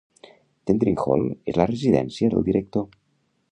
Tendring Hall és la residència del director.